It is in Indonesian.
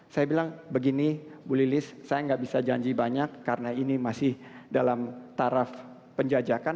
saya bilang begini bu lilis saya nggak bisa janji banyak karena ini masih dalam taraf penjajakan